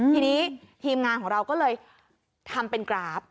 ทีนี้ทีมงานของเราก็เลยทำเป็นกราฟ